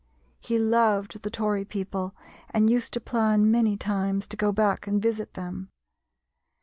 He loved the Tory people and used to plan many times to go back and visit them.